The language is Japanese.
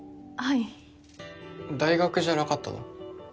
い大学じゃなかったの？